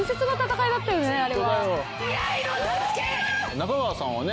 中川さんはね